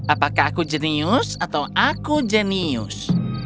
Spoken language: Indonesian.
apakah aku jenius atau aku jenius